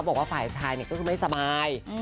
บอกว่าฝ่ายชายก็คือไม่สบาย